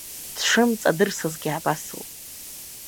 Дшымҵадырсызгьы абас ауп.